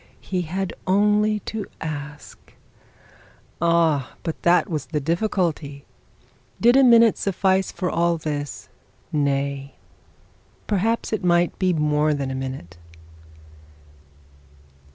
He had only to ask. Ah! but that was the difficulty. Did a minute suffice for all this? Nay, perhaps it might be more than a minute.